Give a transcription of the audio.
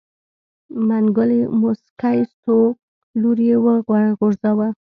منګلی موسکی شو لور يې وغورځوه.